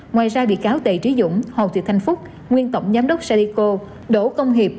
ngoài ra bị cáo tề trí dũng hồ thị thanh phúc nguyên tổng giám đốc sadiko đỗ công hiệp